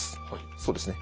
そうですね。